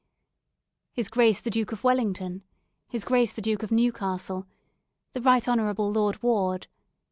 B. His Grace the Duke of Wellington. His Grace the Duke of Newcastle. The Right Hon. Lord Ward.